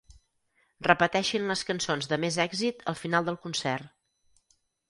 Repeteixin les cançons de més èxit al final del concert.